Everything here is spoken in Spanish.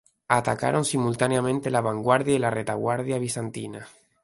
Atacaron simultáneamente la vanguardia y la retaguardia bizantinas.